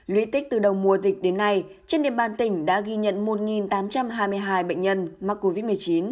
lũy tích từ đầu mùa dịch đến nay trên địa bàn tỉnh đã ghi nhận một tám trăm hai mươi hai bệnh nhân mắc covid một mươi chín